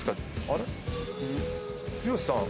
あれっ？剛さん。